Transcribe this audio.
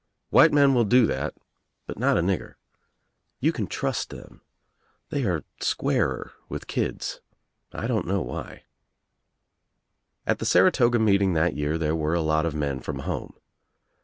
While men will do that, but not a S THE TRIUMPH OF THE ECG nigger. You can trust them. They are squarer with kids. I don't know why. At the Saratoga meeting that year there were a lot of men from home.